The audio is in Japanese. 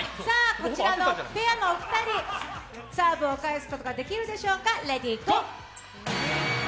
こちらのペアのお二人、サーブを返すことができるでしょうか。